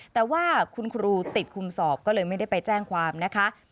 แต่ว่าคุณครูติดคุมสอบก็เลยไม่ได้ไปแจ้งความนะคะ